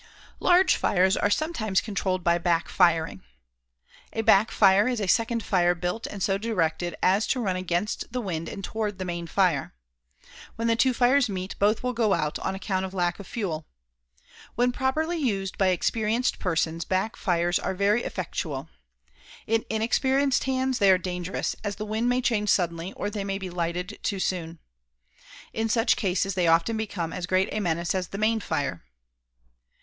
Large fires are sometimes controlled by back firing. A back fire is a second fire built and so directed as to run against the wind and toward the main fire. When the two fires meet, both will go out on account of lack of fuel. When properly used by experienced persons, back fires are very effectual. In inexperienced hands they are dangerous, as the wind may change suddenly or they may be lighted too soon. In such cases they often become as great a menace as the main fire.